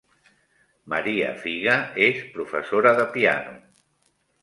Maria Figa és professora de piano.